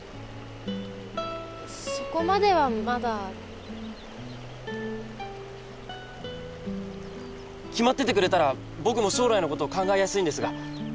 そこまではまだ。決まっててくれたら僕も将来のことを考えやすいんですが。